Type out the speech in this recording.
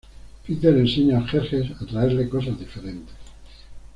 Peter enseña a Xerxes a traerle cosas diferentes.